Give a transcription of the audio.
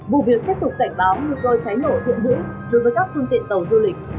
bộ việc tiếp tục cảnh báo nguy cơ cháy nổ thiện bữ đối với các thương tiện tàu du lịch